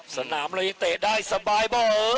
สนามเรายังเตะได้สบายบ่อ